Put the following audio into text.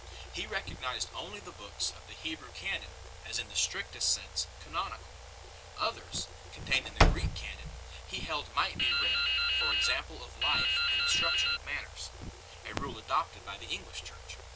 He recognized only the books of the Hebrew canon as in the strictest sense cano nical ; others, contained in the Greek canon, he held might be read " for example of life and instruction of manners " a rule adopted by the English Church while he applied 1 See p.